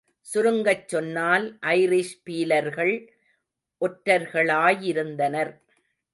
சுருங்கச் சொன்னால் ஐரிஷ் பீலர்கள் ஒற்றர்களாயிருந்தனர்.